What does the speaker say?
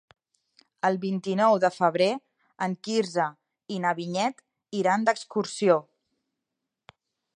El vint-i-nou de febrer en Quirze i na Vinyet iran d'excursió.